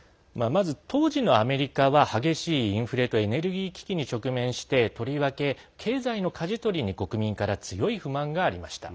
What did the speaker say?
当時のアメリカは激しいインフレとエネルギー危機に直面してとりわけ、経済のかじ取りに国民から強い不満がありました。